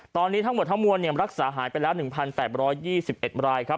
ตอนนี้ทั้งหมดทั้งมวลรักษาหายไปแล้ว๑๘๒๑รายครับ